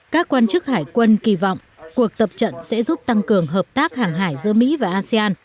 các quan chức hải quân kỳ vọng cuộc tập trận sẽ giúp tăng cường hợp tác hàng hải giữa mỹ và asean